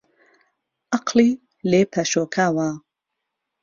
عەقڵی لێ پەشۆکاوە